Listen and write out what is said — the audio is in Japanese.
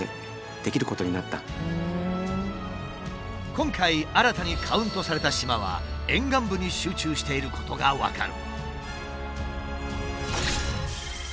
今回新たにカウントされた島は沿岸部に集中していることが分かる。